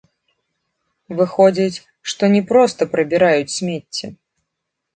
Выходзіць, што не проста прыбіраюць смецце.